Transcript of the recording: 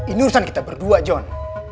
ini urusan kita berdua john